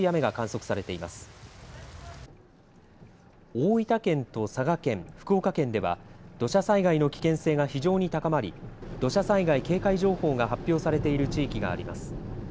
大分県と佐賀県、福岡県では、土砂災害の危険性が非常に高まり、土砂災害警戒情報が発表されている地域があります。